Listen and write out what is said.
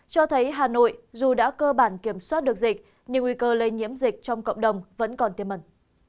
cho thấy hà nội dù đã cơ bản kiểm soát được dịch nhưng nguy cơ lây nhiễm dịch trong cộng đồng vẫn còn tiêm mẩn